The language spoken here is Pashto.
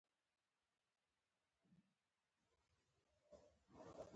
د روښانفکرۍ د ډرامې ممثلان او د ازاد سیکس دلالان کمپاینران وو.